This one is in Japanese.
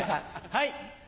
はい。